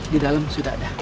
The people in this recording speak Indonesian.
di dalam sudah ada